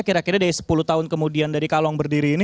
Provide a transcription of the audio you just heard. kira kira dari sepuluh tahun kemudian dari kalong berdiri ini